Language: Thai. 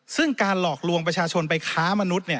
ซึ่งการหลอกลวงประชาชนไปค้ามนุษย์